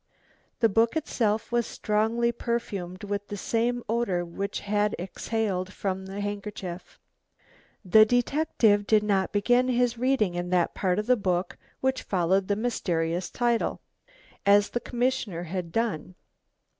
The book itself was strongly perfumed with the same odour which had exhaled from the handkerchief. The detective did not begin his reading in that part of the book which followed the mysterious title, as the commissioner had done.